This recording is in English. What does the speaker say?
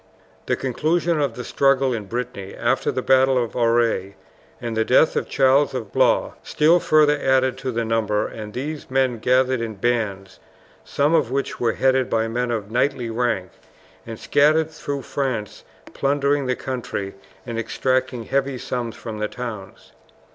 The conclusion of the struggle in Brittany after the battle of Auray and the death of Charles of Blois still further added to the number, and these men gathered in bands, some of which were headed by men of knightly rank, and scattered through France plundering the country and extracting heavy sums from the towns.